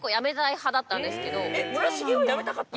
そう村重は辞めたかったの？